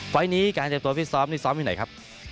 ไฟล์นี้การเจอตัวฟิตซ้อมนี่ซ้อมอยู่ไหนครับ